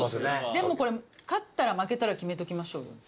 でもこれ勝ったら負けたら決めときましょうよ。